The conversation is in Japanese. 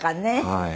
はい。